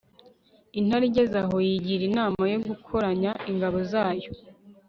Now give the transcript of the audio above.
intare igeze aho yigira inama yo gukoranya ingabo zayo